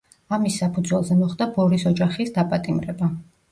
ამის საფუძველზე მოხდა ბორის ოჯახის დაპატიმრება.